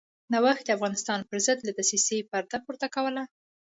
نوښت د افغانستان پرضد له دسیسې پرده پورته کوله.